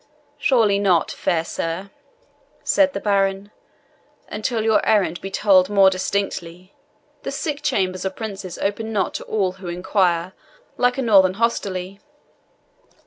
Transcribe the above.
"Surely not, fair sir," said the baron, "until your errand be told more distinctly. The sick chambers of princes open not to all who inquire, like a northern hostelry."